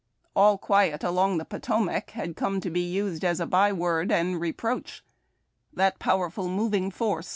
" All quiet along the Potomac " had come to be used as a by word and reproach. That pov/erful moving force.